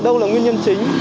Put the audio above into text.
đâu là nguyên nhân chính